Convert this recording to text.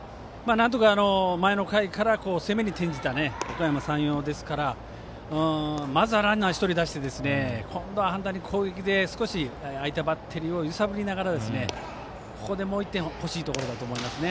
なんとか前の回から攻めに転じたおかやま山陽ですからまずはランナー、１人出して今度は攻撃で少し相手バッテリーを揺さぶりながらここでもう１点欲しいところだと思いますね。